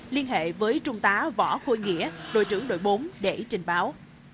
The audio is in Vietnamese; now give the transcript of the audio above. liên hệ với trung tá võ khôi nghĩa đội trưởng đội bốn để trình báo